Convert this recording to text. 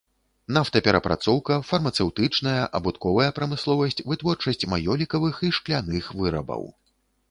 Нафтаперапрацоўка, фармацэўтычная, абутковая прамысловасць, вытворчасць маёлікавых і шкляных вырабаў.